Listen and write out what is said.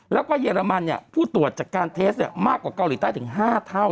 แล้วก็เยอรมันเนี่ยผู้ตรวจจากการเทสมากกว่าเกาหลีใต้ถึง๕เท่า